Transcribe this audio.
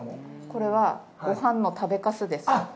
これは、ごはんの食べかすです。